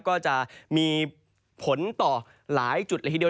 ก็จะมีผลต่อหลายจุดละทีเดียว